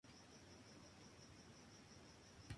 Además, se descubría al final del libro.